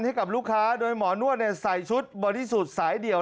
ให้กับลูกค้าโดยหมอนวดใส่ชุดบริสุทธิ์สายเดี่ยว